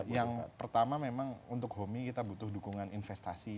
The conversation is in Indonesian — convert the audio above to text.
yang pertama memang untuk homi kita butuh dukungan investasi